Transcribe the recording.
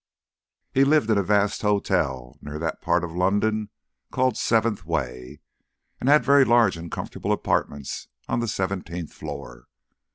He lived in a vast hotel near that part of London called Seventh Way, and had very large and comfortable apartments on the seventeenth floor.